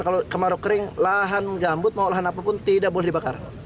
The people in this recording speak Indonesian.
kalau kemarau kering lahan gambut mau lahan apapun tidak boleh dibakar